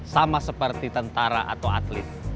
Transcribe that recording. sama seperti tentara atau atlet